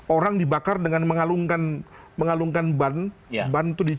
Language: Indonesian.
orang dibakar dengan mengalungkan ban